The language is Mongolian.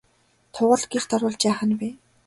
Тугал гэрт оруулж яах нь вэ?